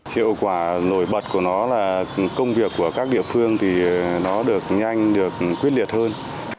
hiệu quả nổi bật của nó là công việc của các địa phương thì nó được nhanh được quyết liệt hơn